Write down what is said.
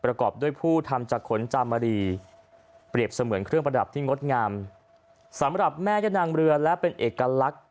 ประกอบด้วยผู้ทำจากขนจามรีเปรียบเสมือนเครื่องประดับที่งดงามสำหรับแม่ย่านางเรือและเป็นเอกลักษณ์